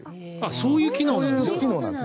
そういう機能なんです。